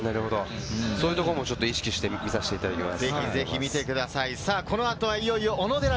そういうところも意識して見させていただきます。